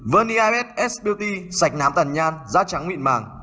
verniabed s beauty sạch nám tàn nhan da trắng mịn màng